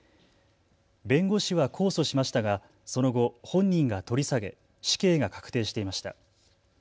弁護士は控訴しましたがその後、本人が取り下げ死刑が確定していました。